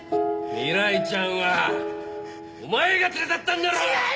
未来ちゃんはお前が連れ去ったんだろ！